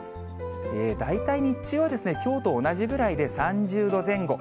大体、日中はきょうと同じぐらいで３０度前後。